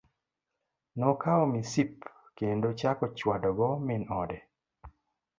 Nokawo misip kendo chako chwade go min ode.